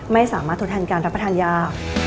ไม่สามารถทดแทนการรับประทานยา